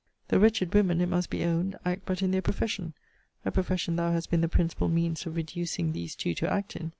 The wretched women, it must be owned, act but in their profession: a profession thou hast been the principal means of reducing these two to act in.